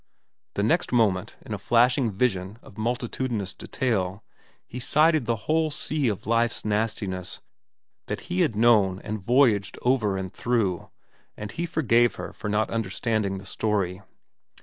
The next moment, in a flashing vision of multitudinous detail, he sighted the whole sea of life's nastiness that he had known and voyaged over and through, and he forgave her for not understanding the story.